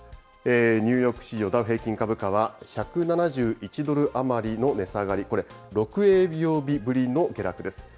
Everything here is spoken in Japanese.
ニューヨーク市場、ダウ平均株価は１７１ドル余りの、これ６営業日ぶりの下落です。